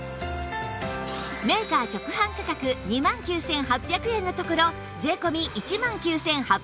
メーカー直販価格２万９８００円のところ税込１万９８００円